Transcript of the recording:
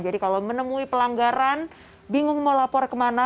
jadi kalau menemui pelanggaran bingung mau lapor kemana